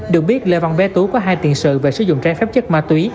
được biết lê văn bé tú có hai tiện sự về sử dụng trang phép chất ma túy